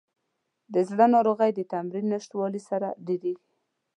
د زړه ناروغۍ د تمرین نشتوالي سره ډېریږي.